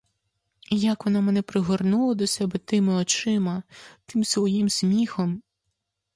Як вона мене пригорнула до себе тими очима, тим своїм сміхом!